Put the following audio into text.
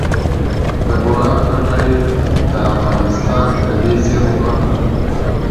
د بولان پټي د افغانستان د طبیعي زیرمو برخه ده.